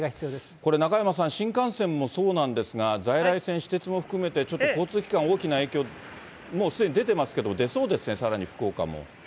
これ、中山さん、新幹線もそうなんですが、在来線、私鉄も含めてちょっと交通機関、大きな影響、もうすでに出てますけども、出そうですね、さらに福岡も。